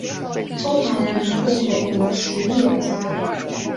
中华人民共和国实业家。